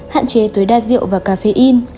bảy hạn chế tối đa rượu và caffeine